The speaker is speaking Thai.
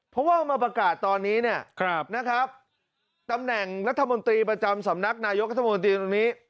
เพราะว่ามาประกาศตอนนี้ตำแหน่งรัฐบนตรีประจำสำนักนายกรัฐบนตรีตอนนี้